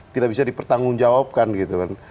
tidak bisa dipertanggungjawabkan gitu kan